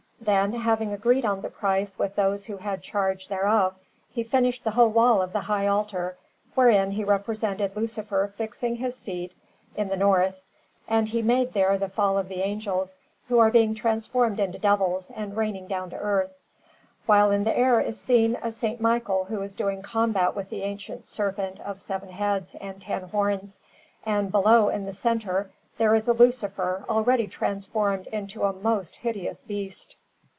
Then, having agreed on the price with those who had charge thereof, he finished the whole wall of the high altar, wherein he represented Lucifer fixing his seat in the North; and he made there the Fall of the Angels, who are being transformed into devils and raining down to earth; while in the air is seen a S. Michael, who is doing combat with the ancient serpent of seven heads and ten horns; and below, in the centre, there is a Lucifer, already transformed into a most hideous beast.